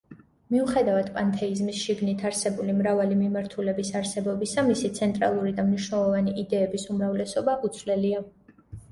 მიუხედავად პანთეიზმის შიგნით არსებული მრავალი მიმართულების არსებობისა, მისი ცენტრალური და მნიშვნელოვანი იდეების უმრავლესობა უცვლელია.